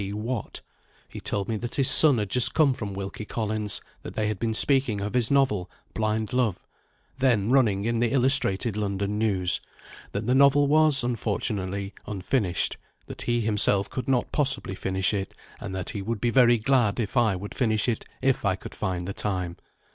P. Watt. He told me that his son had just come from Wilkie Collins: that they had been speaking of his novel, "Blind Love," then running in the Illustrated London News: that the novel was, unfortunately, unfinished: that he himself could not possibly finish it: and that he would be very glad, if I would finish it if I could find the time.